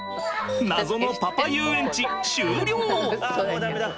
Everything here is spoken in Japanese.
謎のパパ遊園地終了！